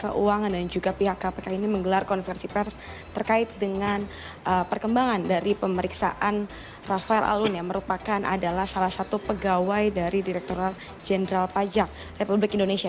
kementerian keuangan dan juga pihak kpk ini menggelar konversi pers terkait dengan perkembangan dari pemeriksaan rafael alun yang merupakan adalah salah satu pegawai dari direkturat jenderal pajak republik indonesia